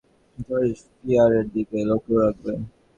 George ফিয়ারের দিকে লক্ষ্য রাখবে।